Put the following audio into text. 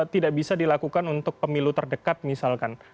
tidak bisa dilakukan untuk pemilu terdekat misalkan